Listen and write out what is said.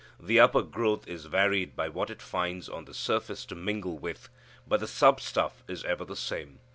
The upper growth is varied by what it finds on the surface to mingle with, but the sub stuff is ever the same.